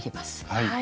はい。